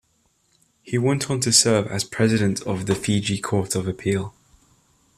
He went on to serve as President of the Fiji Court of Appeal.